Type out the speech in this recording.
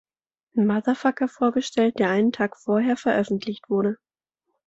Motherfucker" vorgestellt, der einen Tag vorher veröffentlicht wurde.